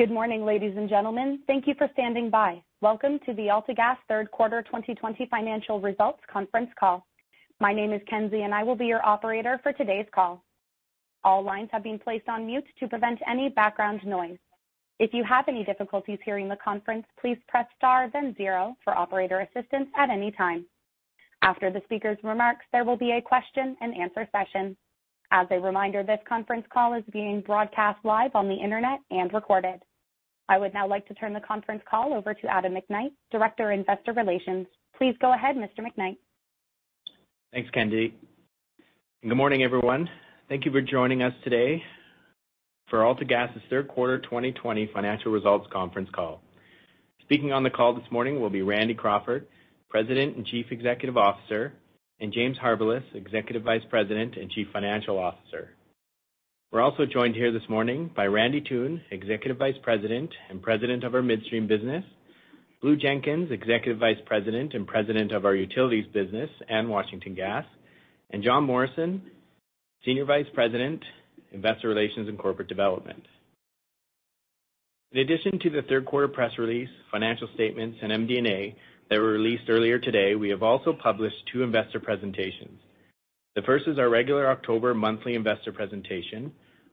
Good morning, ladies and gentlemen. Thank you for standing by. Welcome to the AltaGas Third Quarter 2020 Financial Results Conference Call. My name is Kenzie, and I will be your operator for today's call. All lines have been placed on mute to prevent any background noise. If you have any difficulties hearing the conference, please press star then zero for operator assistance at any time. After the speakers' remarks, there will be a question and answer session. As a reminder, this conference call is being broadcast live on the internet and recorded. I would now like to turn the conference call over to Adam McKnight, Director of Investor Relations. Please go ahead, Mr. McKnight. Thanks, Kenzie. Good morning, everyone. Thank you for joining us today for AltaGas's Third Quarter 2020 Financial Results Conference Call. Speaking on the call this morning will be Randy Crawford, President and Chief Executive Officer, and James Harbilas, Executive Vice President and Chief Financial Officer. We're also joined here this morning by Randy Toone, Executive Vice President and President of our Midstream business, Blue Jenkins, Executive Vice President and President of our Utilities business and Washington Gas, and Jon Morrison, Senior Vice President, Investor Relations and Corporate Development. In addition to the third quarter press release, financial statements, and MD&A that were released earlier today, we have also published two investor presentations. The first is our regular October monthly investor presentation,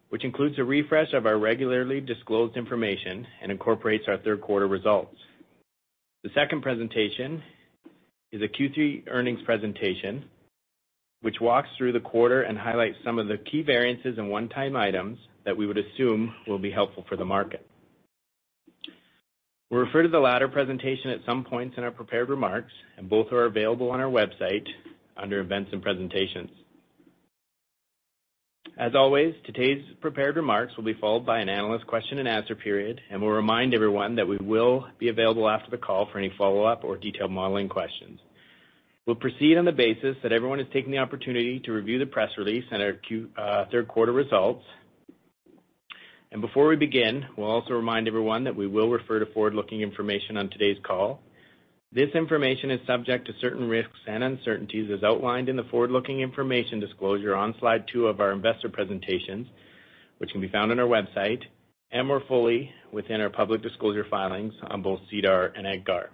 which includes a refresh of our regularly disclosed information and incorporates our third quarter results. The second presentation is a Q3 earnings presentation, which walks through the quarter and highlights some of the key variances and one-time items that we would assume will be helpful for the market. We'll refer to the latter presentation at some points in our prepared remarks, and both are available on our website under events and presentations. As always, today's prepared remarks will be followed by an analyst question and answer period, and we'll remind everyone that we will be available after the call for any follow-up or detailed modeling questions. We'll proceed on the basis that everyone has taken the opportunity to review the press release and our third quarter results. Before we begin, we'll also remind everyone that we will refer to forward-looking information on today's call. This information is subject to certain risks and uncertainties as outlined in the forward-looking information disclosure on slide two of our investor presentations, which can be found on our website, and more fully within our public disclosure filings on both SEDAR and EDGAR.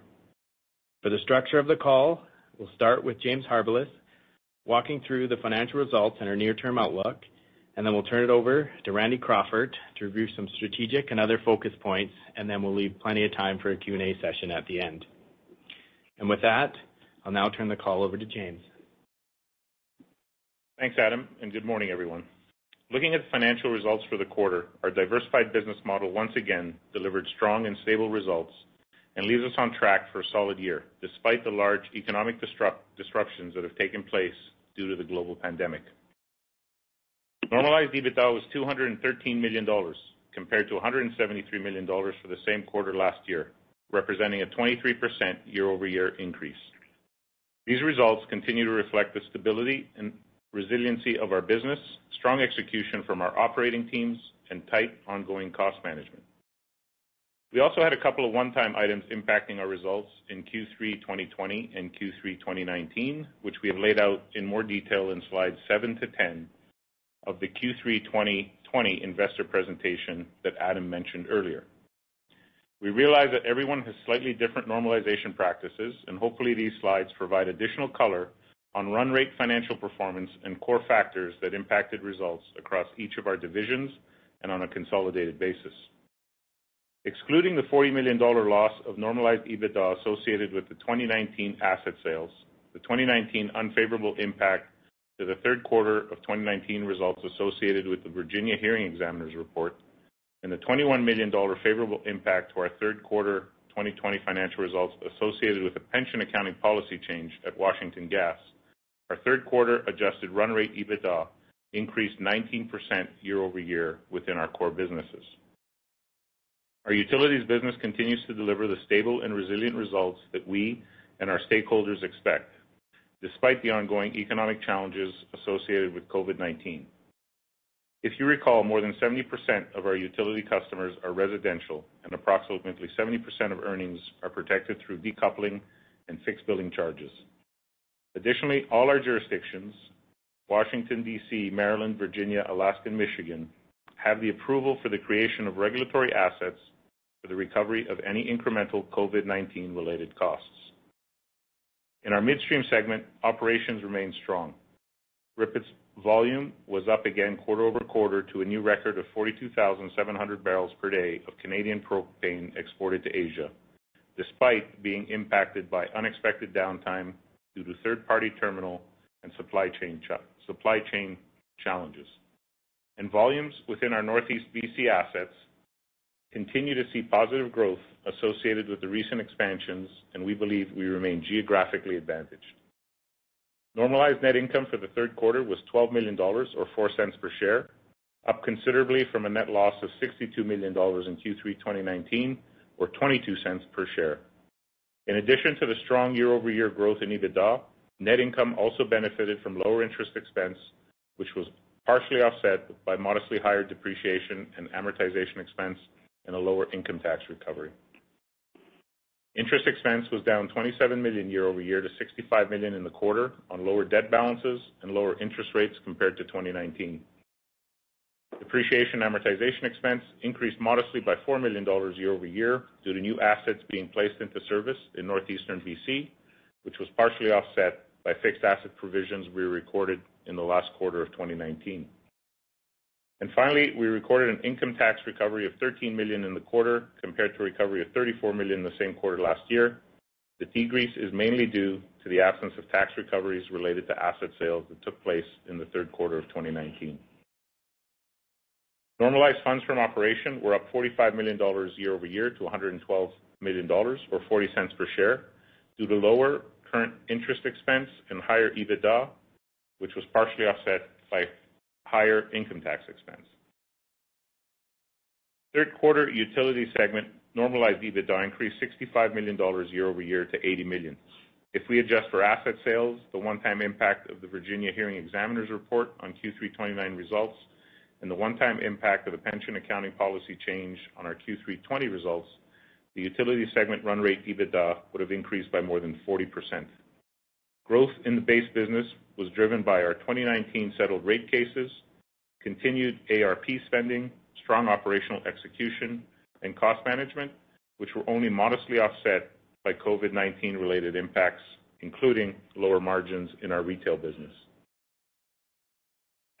For the structure of the call, we'll start with James Harbilas walking through the financial results and our near-term outlook, and then we'll turn it over to Randy Crawford to review some strategic and other focus points, and then we'll leave plenty of time for a Q&A session at the end. And with that, I'll now turn the call over to James. Thanks, Adam, good morning, everyone. Looking at the financial results for the quarter, our diversified business model once again delivered strong and stable results and leaves us on track for a solid year, despite the large economic disruptions that have taken place due to the global pandemic. Normalized EBITDA was 213 million dollars, compared to 173 million dollars for the same quarter last year, representing a 23% year-over-year increase. These results continue to reflect the stability and resiliency of our business, strong execution from our operating teams, and tight ongoing cost management. We also had a couple of one-time items impacting our results in Q3 2020 and Q3 2019, which we have laid out in more detail in slides 7-10 of the Q3 2020 investor presentation that Adam mentioned earlier. We realize that everyone has slightly different normalization practices. Hopefully, these slides provide additional color on run rate financial performance and core factors that impacted results across each of our divisions and on a consolidated basis. Excluding the 40 million dollar loss of normalized EBITDA associated with the 2019 asset sales, the 2019 unfavorable impact to the third quarter of 2019 results associated with the Virginia hearing examiner's report, and the 21 million dollar favorable impact to our third quarter 2020 financial results associated with a pension accounting policy change at Washington Gas, our third quarter adjusted run rate EBITDA increased 19% year-over-year within our core businesses. Our Utilities business continues to deliver the stable and resilient results that we and our stakeholders expect, despite the ongoing economic challenges associated with COVID-19. If you recall, more than 70% of our utility customers are residential, and approximately 70% of earnings are protected through decoupling and fixed billing charges. Additionally, all our jurisdictions, Washington, D.C., Maryland, Virginia, Alaska, and Michigan, have the approval for the creation of regulatory assets for the recovery of any incremental COVID-19-related costs. In our Midstream segment, operations remain strong. RIPET's volume was up again quarter-over-quarter to a new record of 42,700 bpd of Canadian propane exported to Asia, despite being impacted by unexpected downtime due to third-party terminal and supply chain challenges. Volumes within our Northeast B.C. assets continue to see positive growth associated with the recent expansions, and we believe we remain geographically advantaged. Normalized net income for the third quarter was 12 million dollars, or 0.04 per share, up considerably from a net loss of 62 million dollars in Q3 2019, or 0.22 per share. In addition to the strong year-over-year growth in EBITDA, net income also benefited from lower interest expense, which was partially offset by modestly higher depreciation and amortization expense and a lower income tax recovery. Interest expense was down 27 million year-over-year to 65 million in the quarter on lower debt balances and lower interest rates compared to 2019. Depreciation amortization expense increased modestly by 4 million dollars year-over-year due to new assets being placed into service in northeastern B.C., which was partially offset by fixed asset provisions we recorded in the last quarter of 2019. Finally, we recorded an income tax recovery of 13 million in the quarter, compared to recovery of 34 million in the same quarter last year. The decrease is mainly due to the absence of tax recoveries related to asset sales that took place in the third quarter of 2019. Normalized funds from operation were up 45 million dollars year-over-year to 112 million dollars, or 0.40 per share, due to lower current interest expense and higher EBITDA, which was partially offset by higher income tax expense. Third quarter utility segment normalized EBITDA increased 65 million dollars year-over-year to 80 million. If we adjust for asset sales, the one-time impact of the Virginia hearing examiner's report on Q3 2019 results, and the one-time impact of the pension accounting policy change on our Q3 2020 results, the utility segment run rate EBITDA would have increased by more than 40%. Growth in the base business was driven by our 2019 settled rate cases, continued ARP spending, strong operational execution, and cost management, which were only modestly offset by COVID-19-related impacts, including lower margins in our retail business.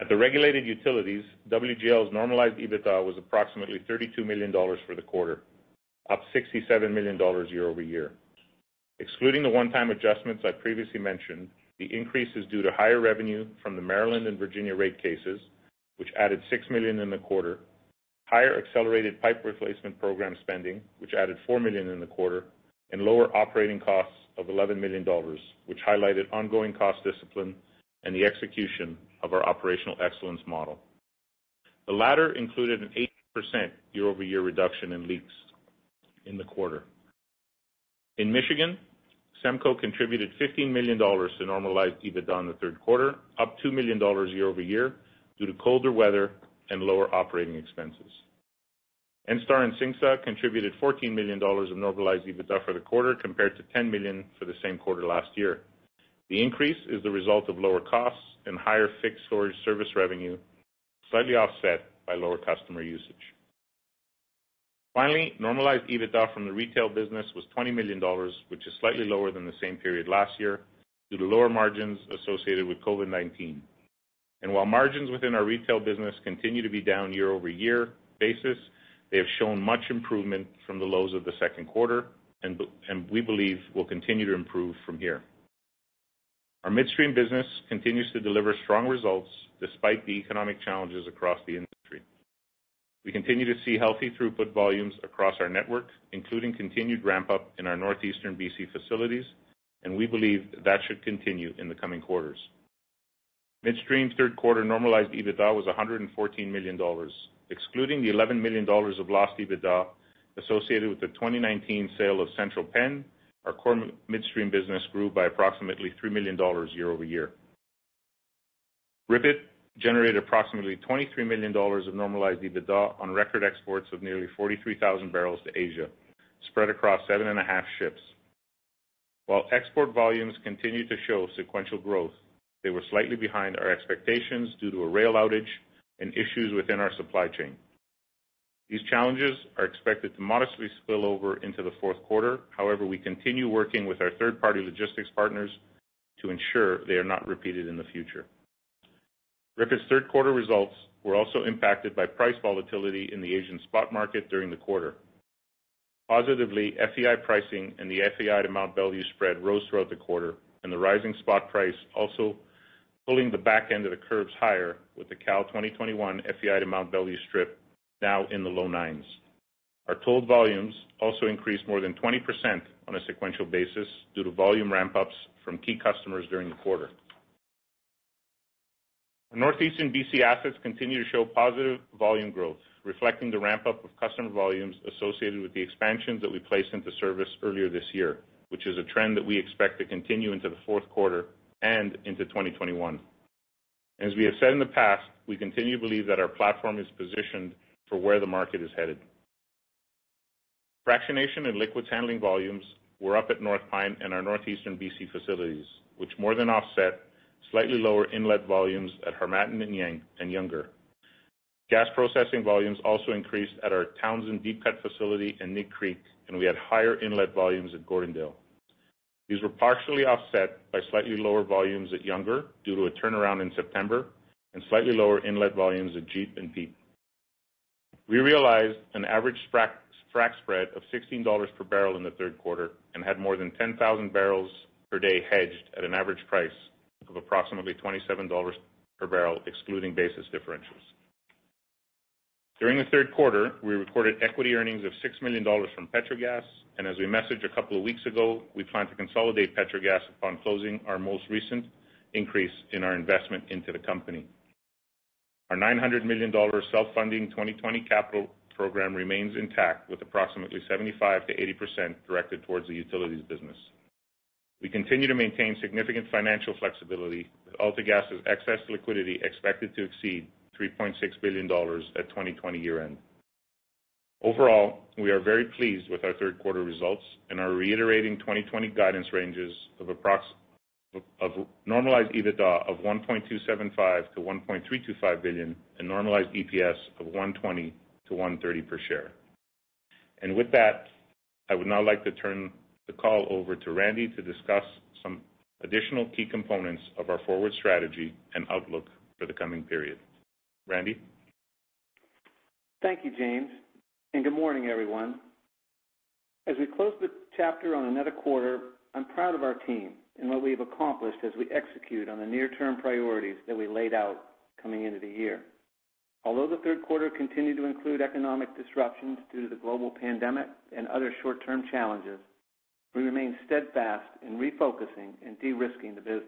At the regulated utilities, WGL's normalized EBITDA was approximately 32 million dollars for the quarter, up 67 million dollars year-over-year. Excluding the one-time adjustments I previously mentioned, the increase is due to higher revenue from the Maryland and Virginia rate cases, which added 6 million in the quarter, higher accelerated pipe replacement program spending, which added 4 million in the quarter, and lower operating costs of 11 million dollars, which highlighted ongoing cost discipline and the execution of our operational excellence model. The latter included an 8% year-over-year reduction in leaks in the quarter. In Michigan, SEMCO contributed 15 million dollars to normalized EBITDA in the third quarter, up 2 million dollars year-over-year, due to colder weather and lower operating expenses. ENSTAR and CINGSA contributed 14 million dollars of normalized EBITDA for the quarter, compared to 10 million for the same quarter last year. The increase is the result of lower costs and higher fixed storage service revenue, slightly offset by lower customer usage. Normalized EBITDA from the retail business was 20 million dollars, which is slightly lower than the same period last year due to lower margins associated with COVID-19. While margins within our retail business continue to be down year-over-year basis, they have shown much improvement from the lows of the second quarter, and we believe will continue to improve from here. Our Midstream business continues to deliver strong results despite the economic challenges across the industry. We continue to see healthy throughput volumes across our network, including continued ramp-up in our northeastern B.C. facilities. We believe that should continue in the coming quarters. Midstream's third quarter normalized EBITDA was 114 million dollars. Excluding the 11 million dollars of lost EBITDA associated with the 2019 sale of Central Penn, our core Midstream business grew by approximately 3 million dollars year-over-year. RIPET generated approximately 23 million dollars of normalized EBITDA on record exports of nearly 43,000 bbl to Asia, spread across seven and a half ships. Export volumes continued to show sequential growth. They were slightly behind our expectations due to a rail outage and issues within our supply chain. These challenges are expected to modestly spill over into the fourth quarter. We continue working with our third-party logistics partners to ensure they are not repeated in the future. RIPET's third quarter results were also impacted by price volatility in the Asian spot market during the quarter. Positively, FEI pricing and the FEI-to-Mont Belvieu spread rose throughout the quarter, and the rising spot price also pulling the back end of the curves higher with the Cal 2021 FEI-to-Mont Belvieu strip now in the low nines. Our toll volumes also increased more than 20% on a sequential basis due to volume ramp-ups from key customers during the quarter. Our northeastern B.C. assets continue to show positive volume growth, reflecting the ramp-up of customer volumes associated with the expansions that we placed into service earlier this year, which is a trend that we expect to continue into the fourth quarter and into 2021. As we have said in the past, we continue to believe that our platform is positioned for where the market is headed. Fractionation and liquids handling volumes were up at North Pine and our northeastern B.C. facilities, which more than offset slightly lower inlet volumes at Harmattan and Younger. Gas processing volumes also increased at our Townsend Deep Cut facility in Nig Creek, and we had higher inlet volumes at Gordondale. These were partially offset by slightly lower volumes at Younger due to a turnaround in September and slightly lower inlet volumes at JEEP and PEEP. We realized an average frac spread of 16 dollars per barrel in the third quarter and had more than 10,000 bpd hedged at an average price of approximately 27 dollars per barrel, excluding basis differentials. During the third quarter, we recorded equity earnings of 6 million dollars from Petrogas, and as we messaged a couple of weeks ago, we plan to consolidate Petrogas upon closing our most recent increase in our investment into the company. Our 900 million dollars self-funding 2020 capital program remains intact with approximately 75%-80% directed towards the utilities business. We continue to maintain significant financial flexibility with AltaGas's excess liquidity expected to exceed 3.6 billion dollars at 2020 year-end. Overall, we are very pleased with our third quarter results and are reiterating 2020 guidance ranges of normalized EBITDA of 1.275 billion-1.325 billion and normalized EPS of 1.20-1.30 per share. With that, I would now like to turn the call over to Randy to discuss some additional key components of our forward strategy and outlook for the coming period. Randy? Thank you, James, and good morning, everyone. As we close the chapter on another quarter, I'm proud of our team and what we have accomplished as we execute on the near-term priorities that we laid out coming into the year. Although the third quarter continued to include economic disruptions due to the global pandemic and other short-term challenges, we remain steadfast in refocusing and de-risking the business.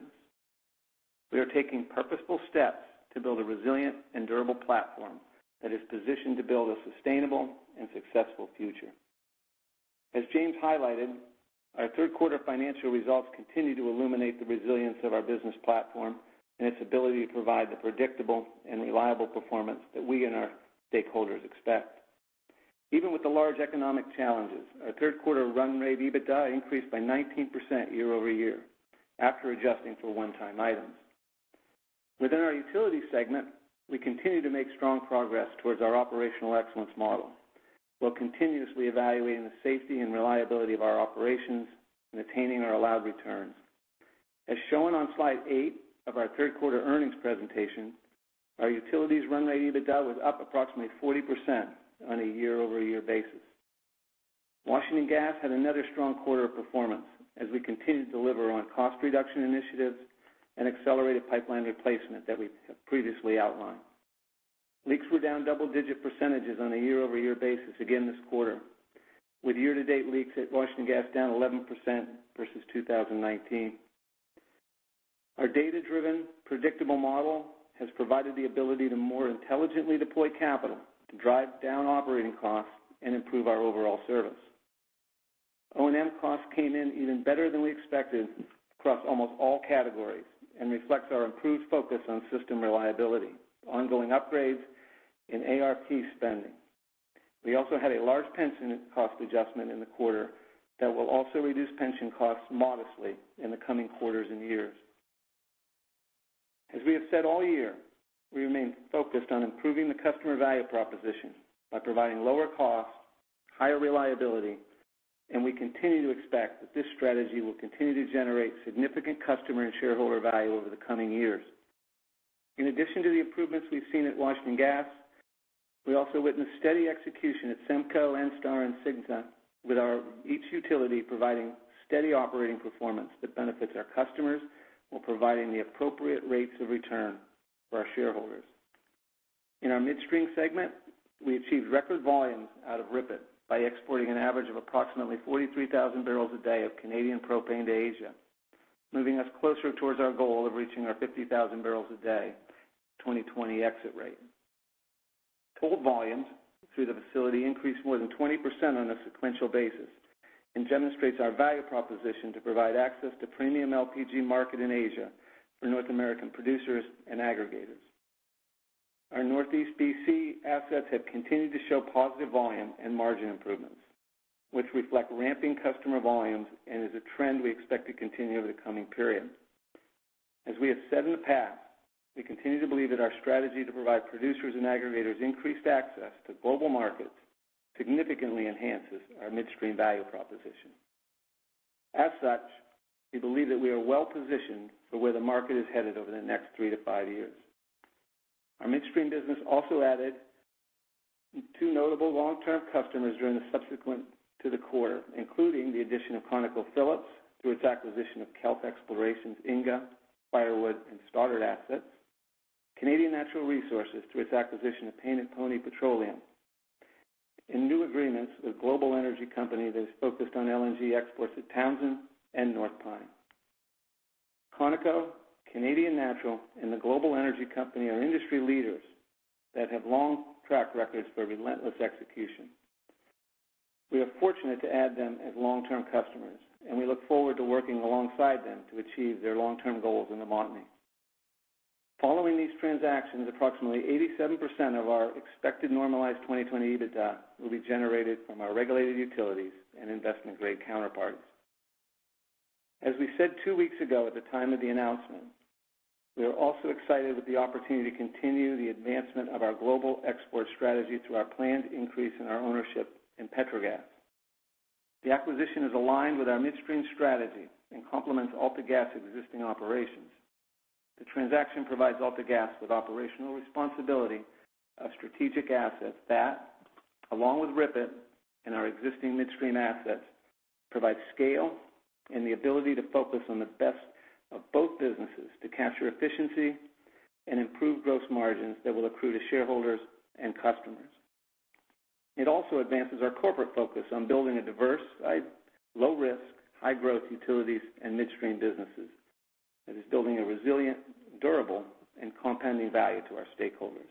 We are taking purposeful steps to build a resilient and durable platform that is positioned to build a sustainable and successful future. As James highlighted, our third quarter financial results continue to illuminate the resilience of our business platform and its ability to provide the predictable and reliable performance that we and our stakeholders expect. Even with the large economic challenges, our third quarter run rate EBITDA increased by 19% year-over-year after adjusting for one-time items. Within our utility segment, we continue to make strong progress towards our operational excellence model, while continuously evaluating the safety and reliability of our operations and attaining our allowed returns. As shown on slide eight of our third quarter earnings presentation, our utilities run-rate EBITDA was up approximately 40% on a year-over-year basis. Washington Gas had another strong quarter of performance as we continued to deliver on cost reduction initiatives and accelerated pipeline replacement that we have previously outlined. Leaks were down double-digit percentages on a year-over-year basis again this quarter, with year-to-date leaks at Washington Gas down 11% versus 2019. Our data-driven predictable model has provided the ability to more intelligently deploy capital to drive down operating costs and improve our overall service. O&M costs came in even better than we expected across almost all categories and reflects our improved focus on system reliability, ongoing upgrades, and ARP spending. We also had a large pension cost adjustment in the quarter that will also reduce pension costs modestly in the coming quarters and years. As we have said all year, we remain focused on improving the customer value proposition by providing lower cost, higher reliability, and we continue to expect that this strategy will continue to generate significant customer and shareholder value over the coming years. In addition to the improvements we've seen at Washington Gas, we also witnessed steady execution at SEMCO, ENSTAR, and CINGSA, with each utility providing steady operating performance that benefits our customers while providing the appropriate rates of return for our shareholders. In our Midstream segment, we achieved record volumes out of RIPET by exporting an average of approximately 43,000 bpd of Canadian propane to Asia, moving us closer towards our goal of reaching our 50,000 bpd 2020 exit rate. Total volumes through the facility increased more than 20% on a sequential basis and demonstrates our value proposition to provide access to premium LPG market in Asia for North American producers and aggregators. Our Northeast B.C. assets have continued to show positive volume and margin improvements, which reflect ramping customer volumes and is a trend we expect to continue over the coming period. As we have said in the past, we continue to believe that our strategy to provide producers and aggregators increased access to global markets significantly enhances our midstream value proposition. As such, we believe that we are well positioned for where the market is headed over the next three to five years. Our Midstream business also added two notable long-term customers subsequent to the quarter, including the addition of ConocoPhillips through its acquisition of Kelt Exploration's Inga, Fireweed, and Stoddart assets, Canadian Natural Resources through its acquisition of Painted Pony Energy Ltd. In new agreements with a global energy company that is focused on LNG exports at Townsend and North Pine. Conoco, Canadian Natural, and the global energy company are industry leaders that have long track records for relentless execution. We are fortunate to add them as long-term customers, and we look forward to working alongside them to achieve their long-term goals in the Montney. Following these transactions, approximately 87% of our expected normalized 2020 EBITDA will be generated from our regulated utilities and investment-grade counterparts. As we said two weeks ago at the time of the announcement, we are also excited with the opportunity to continue the advancement of our global export strategy through our planned increase in our ownership in Petrogas. The acquisition is aligned with our midstream strategy and complements AltaGas's existing operations. The transaction provides AltaGas with operational responsibility of strategic assets that, along with RIPET and our existing midstream assets, provide scale and the ability to focus on the best of both businesses to capture efficiency and improve gross margins that will accrue to shareholders and customers. It also advances our corporate focus on building a diverse, low-risk, high-growth utilities and midstream businesses that is building a resilient, durable, and compounding value to our stakeholders.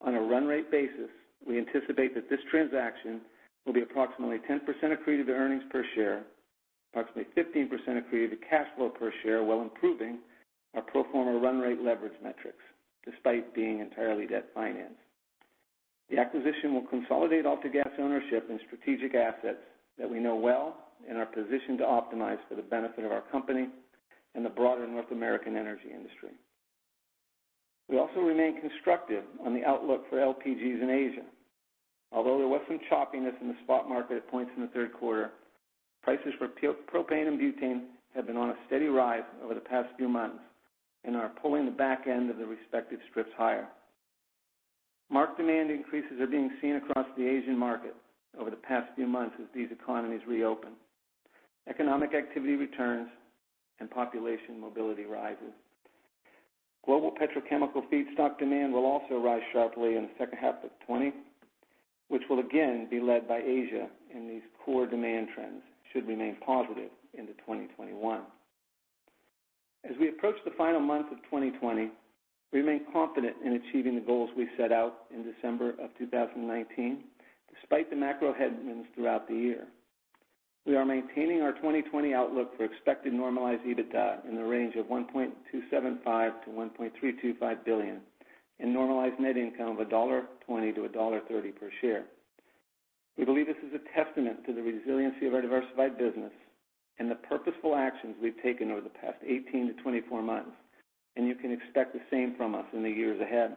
On a run rate basis, we anticipate that this transaction will be approximately 10% accretive to earnings per share, approximately 15% accretive to cash flow per share, while improving our pro forma run-rate leverage metrics, despite being entirely debt financed. The acquisition will consolidate AltaGas ownership in strategic assets that we know well and are positioned to optimize for the benefit of our company and the broader North American energy industry. We also remain constructive on the outlook for LPGs in Asia. Although there was some choppiness in the spot market at points in the third quarter, prices for propane and butane have been on a steady rise over the past few months and are pulling the back end of the respective strips higher. Mark-to-market increases are being seen across the Asian market over the past few months as these economies reopen, economic activity returns, and population mobility rises. Global petrochemical feedstock demand will also rise sharply in the second half of 2020, which will again be led by Asia, and these core demand trends should remain positive into 2021. As we approach the final month of 2020, we remain confident in achieving the goals we set out in December of 2019, despite the macro headwinds throughout the year. We are maintaining our 2020 outlook for expected normalized EBITDA in the range of 1.275 billion-1.325 billion and normalized net income of 1.20-1.30 dollar per share. We believe this is a testament to the resiliency of our diversified business and the purposeful actions we've taken over the past 18-24 months. You can expect the same from us in the years ahead.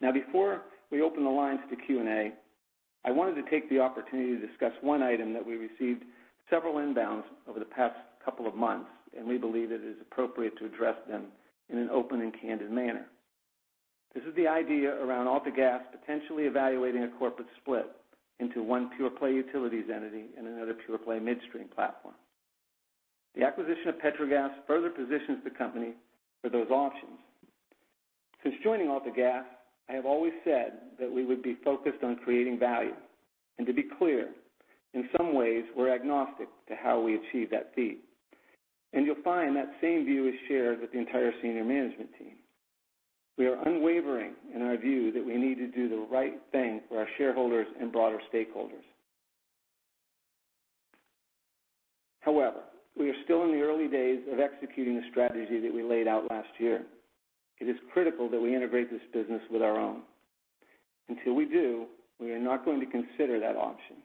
Now, before we open the lines to Q&A, I wanted to take the opportunity to discuss one item that we received several inbounds over the past couple of months. We believe it is appropriate to address them in an open and candid manner. This is the idea around AltaGas potentially evaluating a corporate split into one pure-play utilities entity and another pure-play midstream platform. The acquisition of Petrogas further positions the company for those options. Since joining AltaGas, I have always said that we would be focused on creating value. To be clear, in some ways, we're agnostic to how we achieve that feat. You'll find that same view is shared with the entire senior management team. We are unwavering in our view that we need to do the right thing for our shareholders and broader stakeholders. However, we are still in the early days of executing the strategy that we laid out last year. It is critical that we integrate this business with our own. Until we do, we are not going to consider that option.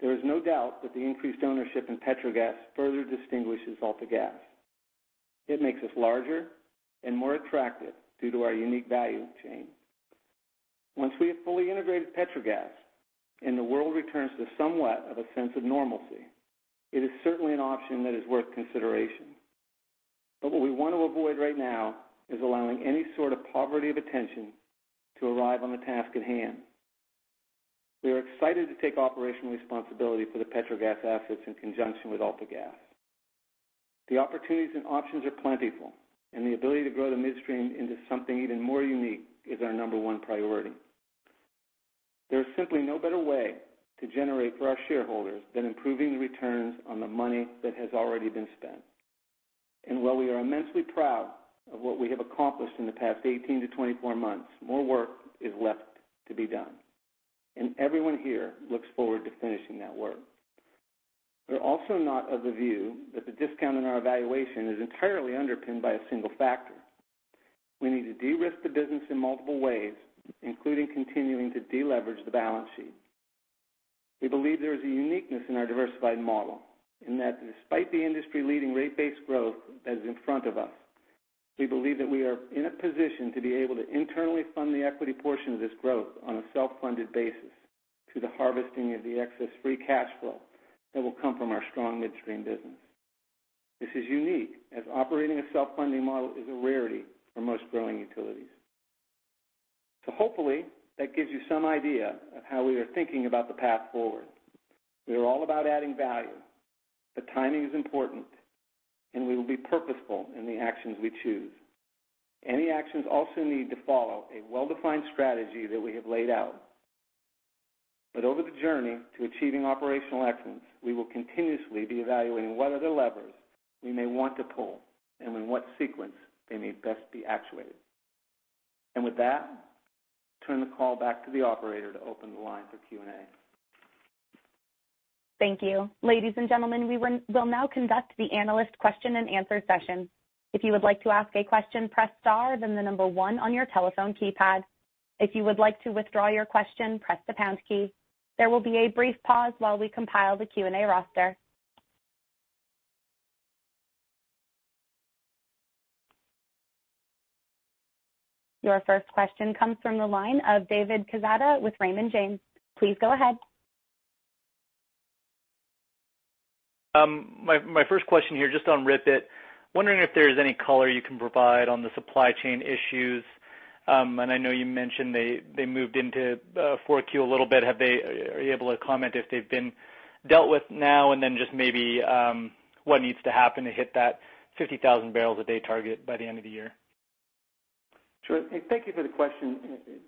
There is no doubt that the increased ownership in Petrogas further distinguishes AltaGas. It makes us larger and more attractive due to our unique value chain. Once we have fully integrated Petrogas, and the world returns to somewhat of a sense of normalcy, it is certainly an option that is worth consideration. What we want to avoid right now is allowing any sort of poverty of attention to arrive on the task at hand. We are excited to take operational responsibility for the Petrogas assets in conjunction with AltaGas. The opportunities and options are plentiful, and the ability to grow the midstream into something even more unique is our number one priority. There is simply no better way to generate for our shareholders than improving the returns on the money that has already been spent. While we are immensely proud of what we have accomplished in the past 18-24 months, more work is left to be done. Everyone here looks forward to finishing that work. We're also not of the view that the discount on our valuation is entirely underpinned by a single factor. We need to de-risk the business in multiple ways, including continuing to de-leverage the balance sheet. We believe there is a uniqueness in our diversified model, in that despite the industry-leading rate-based growth that is in front of us, we believe that we are in a position to be able to internally fund the equity portion of this growth on a self-funded basis through the harvesting of the excess free cash flow that will come from our strong Midstream business. This is unique, as operating a self-funding model is a rarity for most growing utilities. Hopefully, that gives you some idea of how we are thinking about the path forward. We are all about adding value, but timing is important, and we will be purposeful in the actions we choose. Any actions also need to follow a well-defined strategy that we have laid out. Over the journey to achieving operational excellence, we will continuously be evaluating what other levers we may want to pull and in what sequence they may best be actuated. With that, I'll turn the call back to the operator to open the line for Q&A. Thank you. Ladies and gentlemen, we will now conduct the analyst question-and-answer session. If you would like to ask a question, press star, then the number one on your telephone keypad. If you would like to withdraw your question, press the pound key. There will be a brief pause while we compile the Q&A roster. Your first question comes from the line of David Quezada with Raymond James. Please go ahead. My first question here, just on RIPET. Wondering if there's any color you can provide on the supply chain issues. I know you mentioned they moved into 4Q a little bit. Are you able to comment if they've been dealt with now? Just maybe what needs to happen to hit that 50,000 bpd target by the end of the year? Sure. Thank you for the question,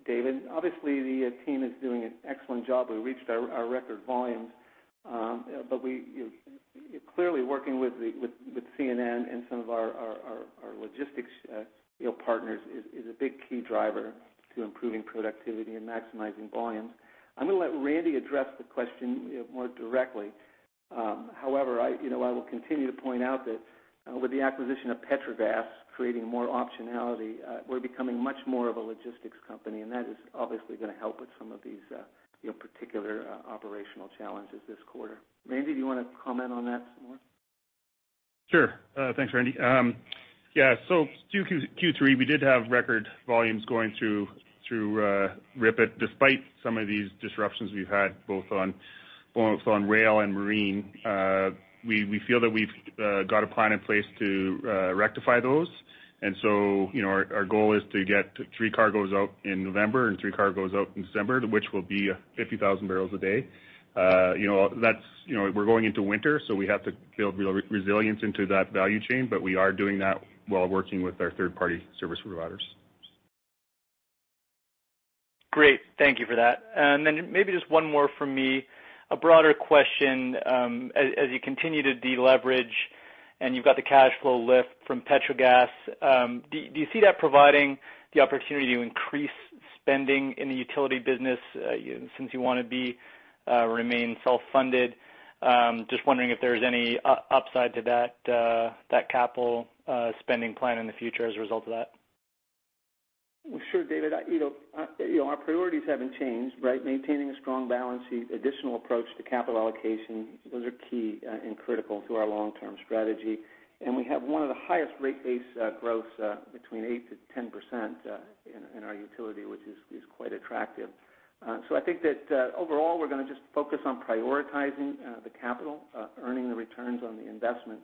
David. Obviously, the team is doing an excellent job. We reached our record volumes. We clearly working with CN Rail and some of our logistics partners is a big key driver to improving productivity and maximizing volumes. I'm going to let Randy address the question more directly. However, I will continue to point out that with the acquisition of Petrogas creating more optionality, we're becoming much more of a logistics company, and that is obviously going to help with some of these particular operational challenges this quarter. Randy, do you want to comment on that some more? Sure. Thanks, Randy. Yeah. Q3, we did have record volumes going through RIPET despite some of these disruptions we've had both on rail and marine. We feel that we've got a plan in place to rectify those. Our goal is to get three cargos out in November and three cargos out in December, which will be 50,000 bpd. We're going into winter. We have to build resilience into that value chain. We are doing that while working with our third-party service providers. Great. Thank you for that. Maybe just one more from me, a broader question. As you continue to deleverage and you've got the cash flow lift from Petrogas, do you see that providing the opportunity to increase spending in the utility business since you want to remain self-funded? Just wondering if there's any upside to that capital spending plan in the future as a result of that. Well, sure, David. Our priorities haven't changed, right? Maintaining a strong balance sheet, additional approach to capital allocation, those are key and critical to our long-term strategy. We have one of the highest rate base growths between 8%-10% in our utility, which is quite attractive. I think that overall, we're going to just focus on prioritizing the capital, earning the returns on the investment.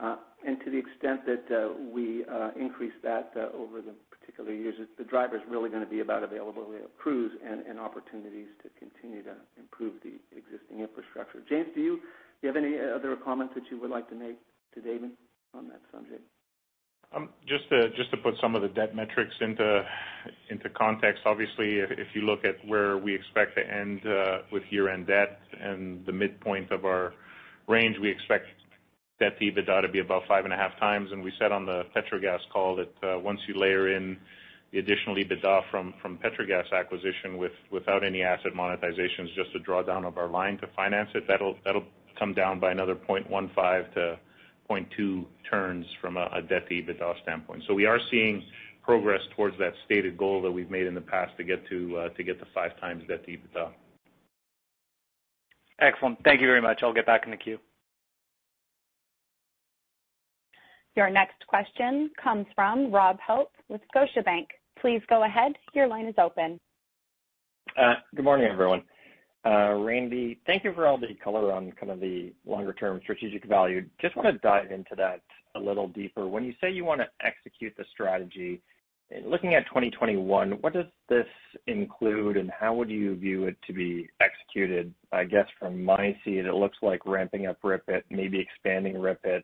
To the extent that we increase that over the particular years, the driver's really going to be about availability of crews and opportunities to continue to improve the existing infrastructure. James, do you have any other comments that you would like to make to David on that subject? Just to put some of the debt metrics into context. Obviously, if you look at where we expect to end with year-end debt and the midpoint of our range, we expect debt to EBITDA to be about 5.5x. We said on the Petrogas call that once you layer in the additional EBITDA from Petrogas acquisition without any asset monetizations, just a drawdown of our line to finance it, that'll come down by another 0.15-0.2 turns from a debt-to-EBITDA standpoint. We are seeing progress towards that stated goal that we've made in the past to get to 5x debt-to-EBITDA. Excellent. Thank you very much. I'll get back in the queue. Your next question comes from Rob Hope with Scotiabank. Please go ahead. Your line is open. Good morning, everyone. Randy, thank you for all the color on kind of the longer-term strategic value. Just want to dive into that a little deeper. When you say you want to execute the strategy, looking at 2021, what does this include and how would you view it to be executed? I guess from my seat, it looks like ramping up RIPET, maybe expanding RIPET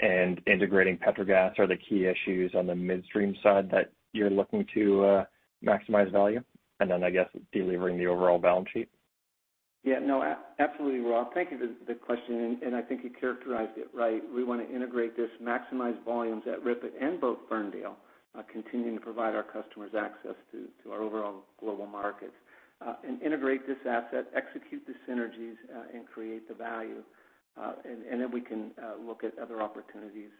and integrating Petrogas are the key issues on the midstream side that you're looking to maximize value, and then I guess delivering the overall balance sheet. No, absolutely, Rob. Thank you for the question. I think you characterized it right. We want to integrate this, maximize volumes at RIPET and both Ferndale, continuing to provide our customers access to our overall global markets. Integrate this asset, execute the synergies, and create the value. We can look at other opportunities.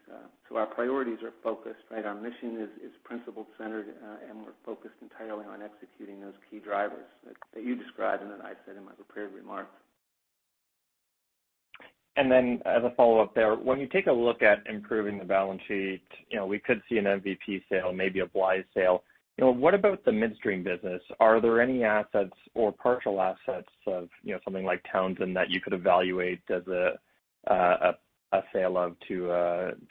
Our priorities are focused, right? Our mission is principle-centered. We are focused entirely on executing those key drivers that you described and that I said in my prepared remarks. As a follow-up there, when you take a look at improving the balance sheet, we could see an MVP sale, maybe a Blythe sale. What about the Midstream business? Are there any assets or partial assets of something like Townsend that you could evaluate as a sale of to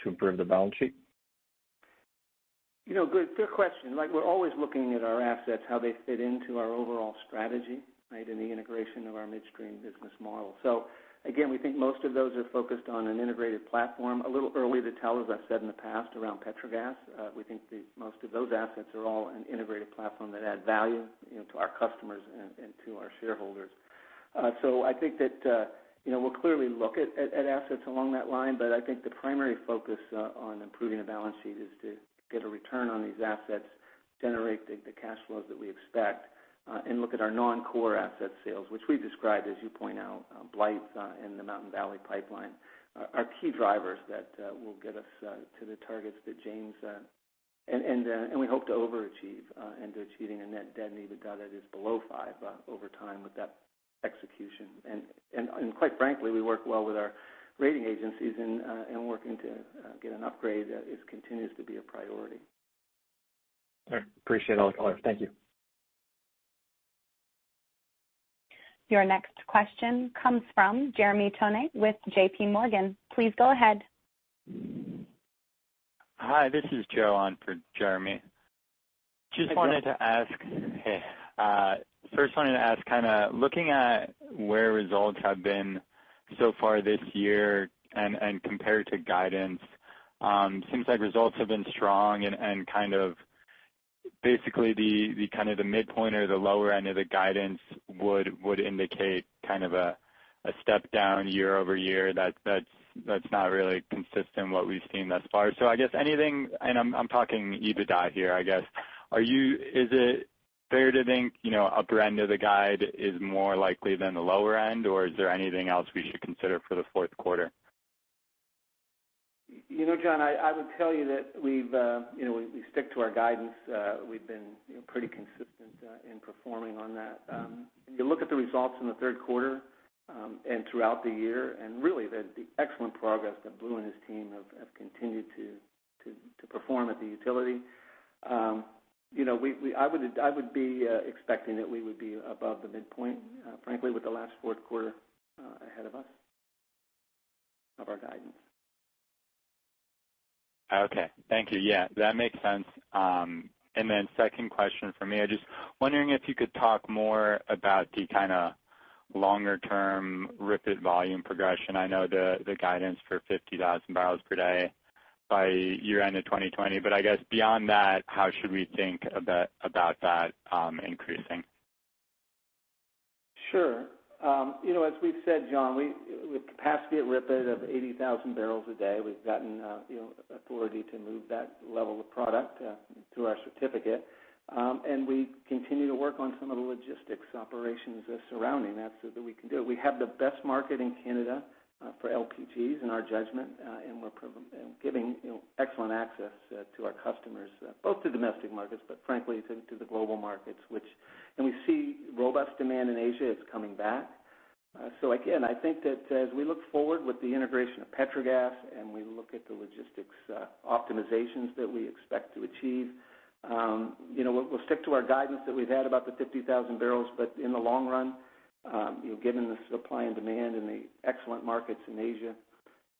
improve the balance sheet? Good question. We're always looking at our assets, how they fit into our overall strategy, right? In the integration of our midstream business model. Again, we think most of those are focused on an integrated platform. A little early to tell, as I've said in the past, around Petrogas. We think most of those assets are all an integrated platform that add value to our customers and to our shareholders. I think that we'll clearly look at assets along that line, but I think the primary focus on improving the balance sheet is to get a return on these assets, generate the cash flows that we expect, and look at our non-core asset sales, which we've described, as you point out, Blythe and the Mountain Valley Pipeline are key drivers that will get us to the targets that James-- and we hope to overachieve and to achieving a net debt EBITDA that is below 5x over time with that execution. Quite frankly, we work well with our rating agencies in working to get an upgrade. It continues to be a priority. All right. Appreciate all the color. Thank you. Your next question comes from Jeremy Tonet with JPMorgan. Please go ahead. Hi, this is Joe on for Jeremy. Hi, Joe. Hey. First wanted to ask, kind of looking at where results have been so far this year and compared to guidance, seems like results have been strong and Basically, the mid-point or the lower end of the guidance would indicate a step-down year-over-year that's not really consistent with what we've seen thus far. I guess anything, and I'm talking EBITDA here, I guess. Is it fair to think upper end of the guide is more likely than the lower end? Or is there anything else we should consider for the fourth quarter? Joe, I would tell you that we stick to our guidance. We've been pretty consistent in performing on that. If you look at the results from the third quarter and throughout the year, and really, the excellent progress that Blue and his team have continued to perform at the utility. I would be expecting that we would be above the midpoint, frankly, with the last fourth quarter ahead of us, of our guidance. Okay. Thank you. Yeah, that makes sense. Second question from me, I was just wondering if you could talk more about the longer-term RIPET volume progression. I know the guidance for 50,000 bpd by year-end of 2020. I guess beyond that, how should we think about that increasing? Sure. As we've said, Joe, with capacity at RIPET of 80,000 bpd, we've gotten authority to move that level of product through our certificate. We continue to work on some of the logistics operations surrounding that so that we can do it. We have the best market in Canada for LPGs, in our judgment, and we're giving excellent access to our customers, both to domestic markets, but frankly, to the global markets. We see robust demand in Asia is coming back. Again, I think that as we look forward with the integration of Petrogas and we look at the logistics optimizations that we expect to achieve, we'll stick to our guidance that we've had about the 50,000 bbl. In the long run, given the supply and demand and the excellent markets in Asia,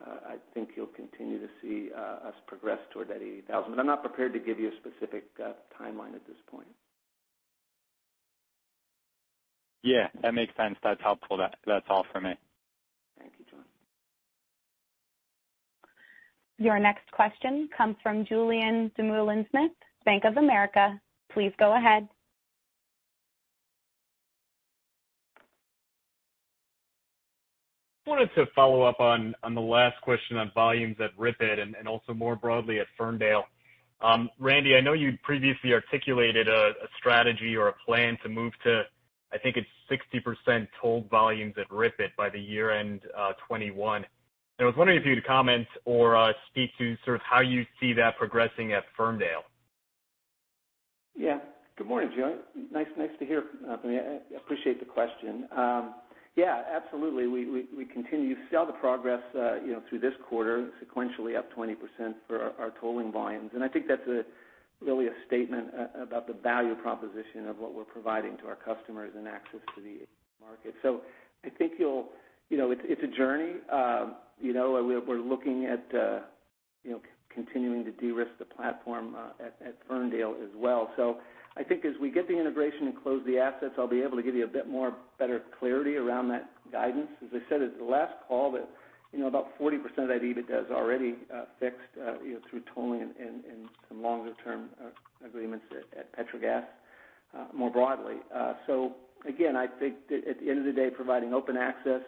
I think you'll continue to see us progress toward that 80,000 bbl. I'm not prepared to give you a specific timeline at this point. Yeah, that makes sense. That's helpful. That's all from me. Thank you, Joe. Your next question comes from Julien Dumoulin-Smith, Bank of America. Please go ahead. I wanted to follow up on the last question on volumes at RIPET and also more broadly at Ferndale. Randy, I know you previously articulated a strategy or a plan to move to, I think it's 60% toll volumes at RIPET by the year-end 2021. I was wondering if you'd comment or speak to how you see that progressing at Ferndale. Good morning, Julien. Nice to hear from you. I appreciate the question. Absolutely. We continue to see all the progress through this quarter, sequentially up 20% for our tolling volumes. I think that's really a statement about the value proposition of what we're providing to our customers and access to the market. I think it's a journey. We're looking at continuing to de-risk the platform at Ferndale as well. I think as we get the integration and close the assets, I'll be able to give you a bit more better clarity around that guidance. As I said at the last call, that about 40% of that EBITDA is already fixed through tolling and some longer-term agreements at Petrogas more broadly. Again, I think at the end of the day, providing open access,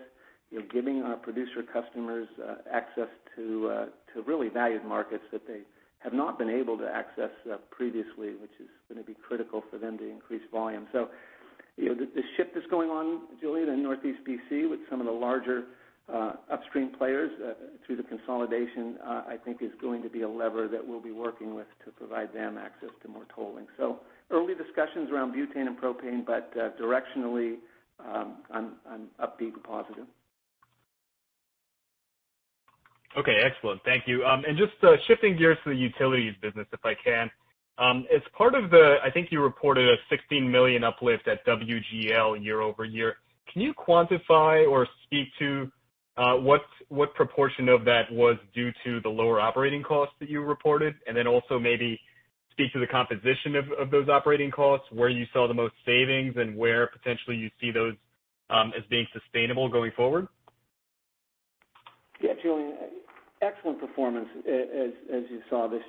giving our producer customers access to really valued markets that they have not been able to access previously, which is going to be critical for them to increase volume. The shift that's going on, Julien, in Northeast BC with some of the larger upstream players through the consolidation, I think is going to be a lever that we'll be working with to provide them access to more tolling. Early discussions around butane and propane, but directionally, I'm upbeat and positive. Okay. Excellent. Thank you. Just shifting gears to the utilities business, if I can. As part of the, I think you reported a 16 million uplift at WGL year-over-year. Can you quantify or speak to what proportion of that was due to the lower operating costs that you reported? Also maybe speak to the composition of those operating costs, where you saw the most savings and where potentially you see those as being sustainable going forward? Yeah, Julien. Excellent performance as you saw this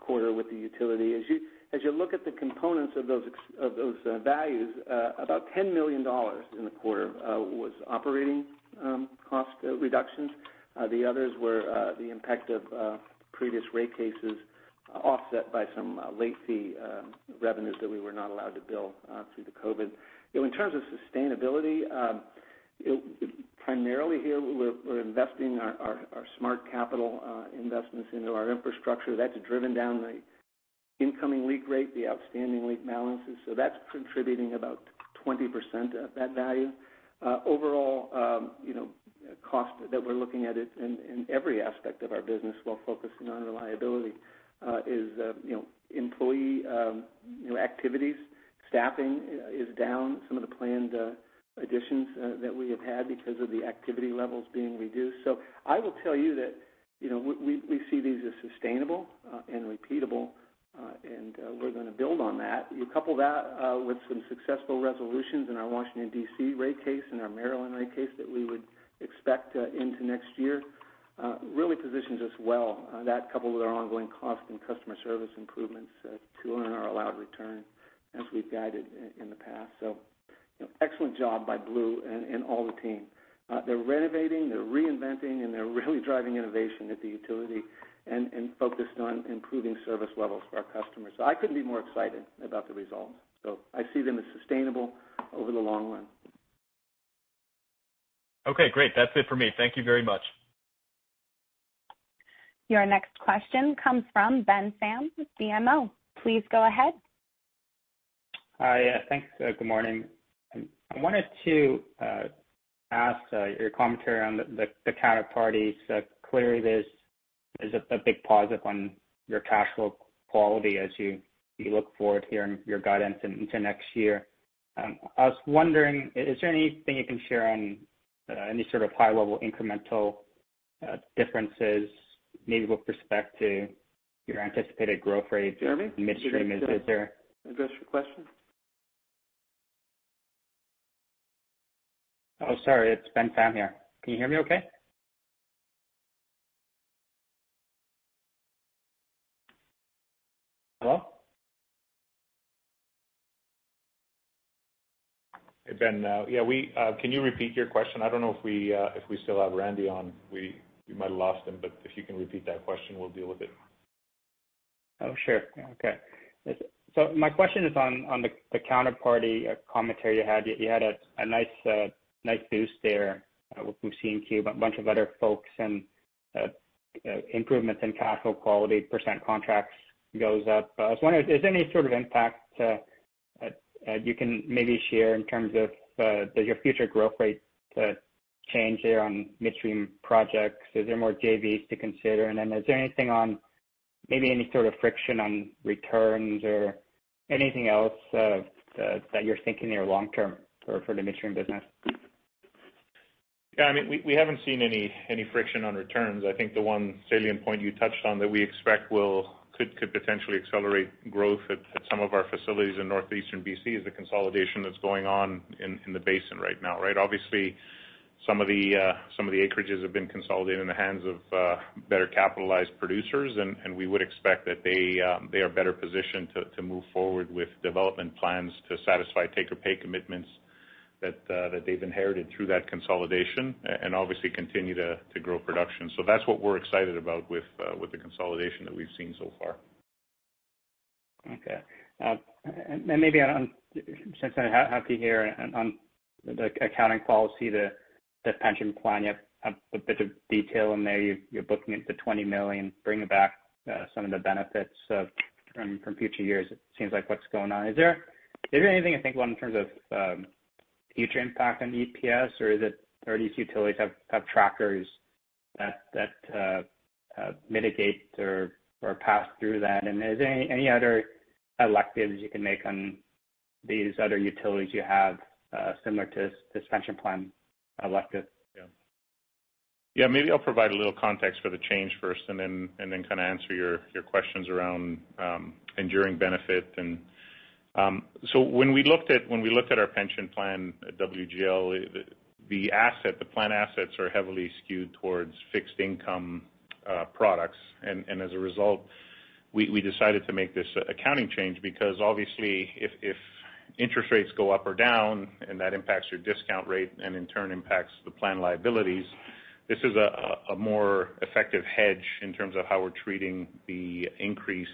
quarter with the utility. As you look at the components of those values, about 10 million dollars in the quarter was operating cost reductions. The others were the impact of previous rate cases offset by some late fee revenues that we were not allowed to bill through the COVID. In terms of sustainability, primarily here, we're investing our smart capital investments into our infrastructure. That's driven down the incoming leak rate, the outstanding leak balances. That's contributing about 20% of that value. Overall cost that we're looking at in every aspect of our business while focusing on reliability is employee activities. Staffing is down some of the planned additions that we have had because of the activity levels being reduced. I will tell you that we see these as sustainable and repeatable, and we're going to build on that. You couple that with some successful resolutions in our Washington, D.C. rate case and our Maryland rate case that we would expect into next year. Really positions us well. That coupled with our ongoing cost and customer service improvements to earn our allowed return as we've guided in the past. Excellent job by Blue and all the team. They're renovating, they're reinventing, and they're really driving innovation at the utility and focused on improving service levels for our customers. I couldn't be more excited about the results. I see them as sustainable over the long run. Okay, great. That's it for me. Thank you very much. Your next question comes from Ben Pham with BMO. Please go ahead. Hi. Thanks. Good morning. I wanted to ask your commentary on the counterparty. Clearly, there's a big positive on your cash flow quality as you look forward here in your guidance into next year. I was wondering, is there anything you can share on any sort of high-level incremental differences, maybe with respect to your anticipated growth rates midstream? Jeremy, did I address your question? Oh, sorry, it's Ben Pham here. Can you hear me okay? Hello? Hey, Ben. Yeah, can you repeat your question? I don't know if we still have Randy on. We might have lost him, but if you can repeat that question, we'll deal with it. Oh, sure. Okay. My question is on the counterparty commentary you had. You had a nice boost there. We've seen a bunch of other folks and improvements in cash flow quality, percentage of contracts goes up. I was wondering, is there any sort of impact that you can maybe share in terms of, does your future growth rate change there on midstream projects? Is there more JVs to consider? Is there anything on maybe any sort of friction on returns or anything else that you're thinking there long-term for the Midstream business? Yeah, we haven't seen any friction on returns. I think the one salient point you touched on that we expect could potentially accelerate growth at some of our facilities in northeastern B.C. is the consolidation that's going on in the basin right now. Right? Obviously, some of the acreages have been consolidated in the hands of better capitalized producers, and we would expect that they are better positioned to move forward with development plans to satisfy take or pay commitments that they've inherited through that consolidation. Obviously continue to grow production. That's what we're excited about with the consolidation that we've seen so far. Okay. Maybe since I have you here on the accounting policy, the pension plan, you have a bit of detail in there. You're booking it to 20 million, bringing back some of the benefits from future years, it seems like what's going on? Is there anything, I think, in terms of future impact on EPS or these utilities have trackers that mitigate or pass through that? Is there any other electives you can make on these other utilities you have similar to this pension plan elective? Yeah. Maybe I'll provide a little context for the change first and then kind of answer your questions around enduring benefit and when we looked at our pension plan at WGL, the plan assets are heavily skewed towards fixed income products. As a result, we decided to make this accounting change because obviously if interest rates go up or down and that impacts your discount rate and in turn impacts the plan liabilities, this is a more effective hedge in terms of how we're treating the increase